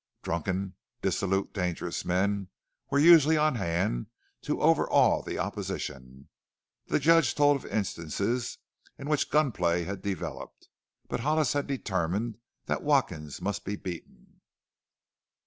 Drunken, dissolute, dangerous men were usually on hand to overawe the opposition; the Judge told of instances in which gunplay had developed. But Hollis had determined that Watkins must be beaten.